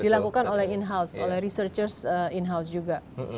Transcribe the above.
dilakukan oleh in house oleh researchers in house juga